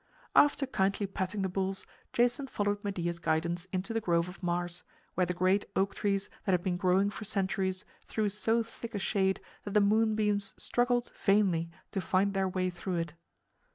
After kindly patting the bulls, Jason followed Medea's guidance into the Grove of Mars, where the great oak trees that had been growing for centuries threw so thick a shade that the moonbeams struggled vainly to find their way through it.